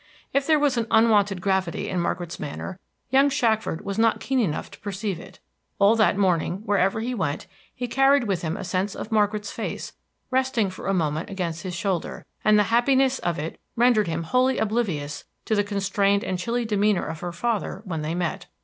If there was an unwonted gravity in Margaret's manner, young Shackford was not keen enough to perceive it. All that morning, wherever he went, he carried with him a sense of Margaret's face resting for a moment against his shoulder, and the happiness of it rendered him wholly oblivious to the constrained and chilly demeanor of her father when they met.